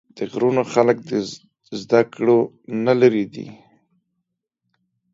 د غرونو خلق د زدکړو نه لرې دي